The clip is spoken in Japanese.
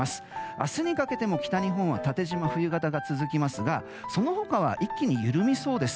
明日にかけても北日本は縦じま冬型が続きますがその他は一気に緩みそうです。